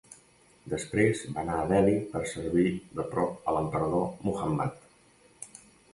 Després va anar a Delhi per servir de prop a l'emperador Muhammad.